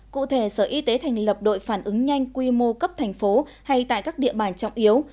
cụ thể sở y tế thành lập đội phản ứng nhanh quy mô cấp thành phố hay tại các địa bàn trọng yếu